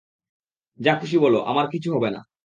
যা খুশি বলো, আমার কিছু হবে না।